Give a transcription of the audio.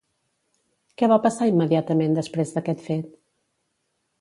Què va passar immediatament després d'aquest fet?